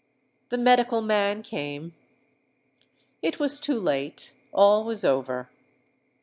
The medical man came: it was too late—all was over!